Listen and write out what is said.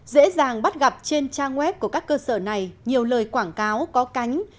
dễ dàng bắt gặp trên trang web của các cơ sở này nhiều lời quảng cáo có cánh